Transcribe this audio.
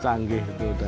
canggih itu udah